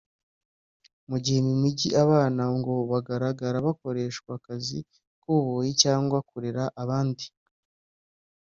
mu gihe mu mijyi abana ngo bagaragara ko bakoreshwa akazi k’ububoyi cyangwa kurera abandi